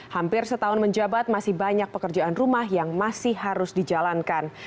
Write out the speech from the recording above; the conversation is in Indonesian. hampir setahun menjabat masih banyak pekerjaan rumah yang masih harus dijalankan